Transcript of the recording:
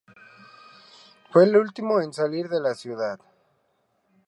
Fue el último en salir de la ciudad.